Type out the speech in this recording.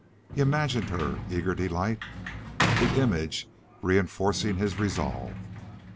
He imagined her eager delight, the image reinforcing his resolve.